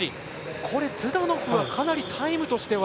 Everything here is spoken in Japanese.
これ、ズダノフはかなりタイムとしては。